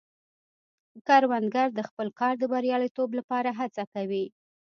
کروندګر د خپل کار د بریالیتوب لپاره هڅه کوي